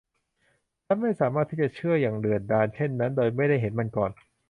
ฉันไม่สามารถที่จะเชื่ออย่างเดือดดาลเช่นนั้นโดยไม่ได้เห็นมันก่อน